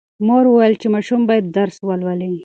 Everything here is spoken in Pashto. مور وویل چې ماشوم باید درس ولولي.